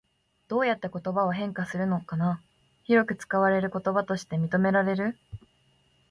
どうやって言葉は変化するのかな？広く使われると言葉として認められる？